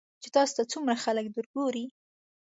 چې تاسو ته څومره خلک درګوري .